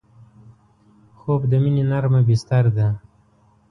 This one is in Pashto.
خوب د مینې نرمه بستر ده